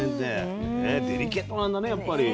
デリケートなんだねやっぱり。